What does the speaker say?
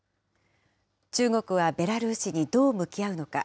中国はベラルーシにどう向き合うのか。